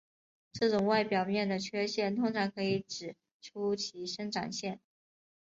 这种外表面的缺陷通常可以指出其生长线。